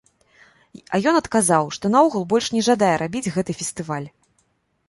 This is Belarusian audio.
А ён адказаў, што наогул больш не жадае рабіць гэты фестываль.